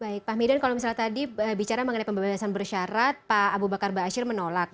baik pak medan kalau misalnya tadi bicara mengenai pembebasan bersahara pak abu bakar baasir menolak